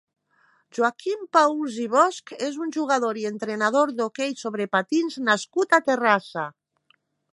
Joaquim Paüls i Bosch és un jugador i entrenador d'hoquei sobre patins nascut a Terrassa.